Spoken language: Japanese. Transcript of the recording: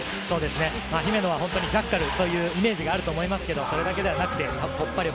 姫野はジャッカルというイメージがあると思いますけれど、それだけだなくて、突破力。